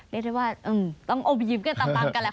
ได้ได้ว่าต้องโอบยิบกันต่างกันแหละ